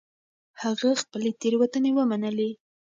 هغه خپلې تېروتنې ومنلې.